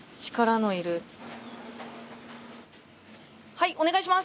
はいお願いします！